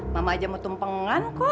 mama aja mau tumpengan kok